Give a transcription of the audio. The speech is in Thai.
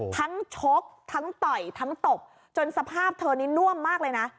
ชกทั้งต่อยทั้งตบจนสภาพเธอนี้น่วมมากเลยนะ